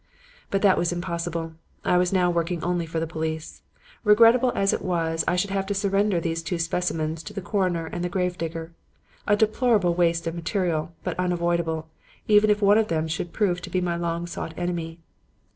"But that was impossible. I was now working only for the police. Regrettable as it was, I should have to surrender these two specimens to the coroner and the gravedigger. A deplorable waste of material, but unavoidable even if one of them should prove to be my long sought enemy.